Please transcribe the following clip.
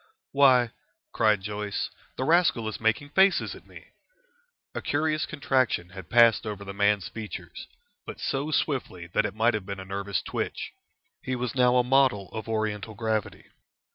"Why!" cried Joyce, "the rascal is making faces at me." A curious contraction had passed over the man's features, but so swiftly that it might have been a nervous twitch. He was now a model of Oriental gravity.